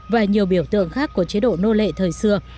và nhiều biểu tượng khác của chế độ nô lệ thời xưa